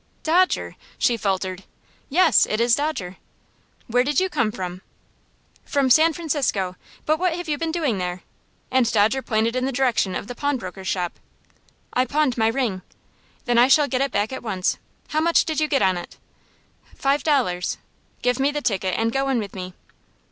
"Dodger!" she faltered. "Yes, it is Dodger." "Where did you come from?" "From San Francisco. But what have you been doing there?" And Dodger pointed in the direction of the pawnbroker's shop. "I pawned my ring." "Then I shall get it back at once. How much did you get on it?" "Five dollars." "Give me the ticket, and go in with me."